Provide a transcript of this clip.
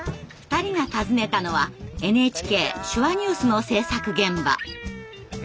２人が訪ねたのは「ＮＨＫ手話ニュース」の制作現場。